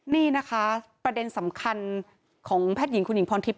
นี่นะคะประเด็นสำคัญของแพทย์หญิงคุณหญิงพรทิพย